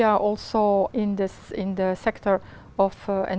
dễ dàng hơn